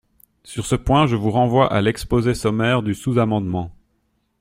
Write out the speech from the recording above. Sur ce point, je vous renvoie à l’exposé sommaire du sous-amendement.